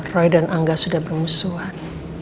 roy dan angga sudah bermusuhan